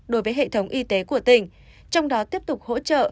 đối với hệ thống y tế của tỉnh trong đó tiếp tục hỗ trợ